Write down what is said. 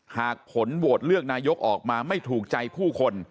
หากผลโหวตเลือกนายกออกมาไม่ถูกใจผู้คน